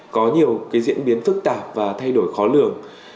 có nhiều diễn biến phức tạp và thay đổi khó lường